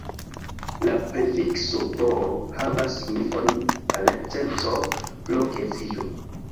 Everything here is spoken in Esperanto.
La prefikso bo- havas signifon "parenceco pro geedziĝo".